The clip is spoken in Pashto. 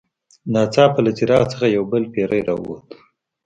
ناڅاپه له څراغ څخه یو بل پیری راووت.